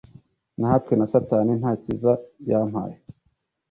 nahatswe na satani, ntacyiza yampaye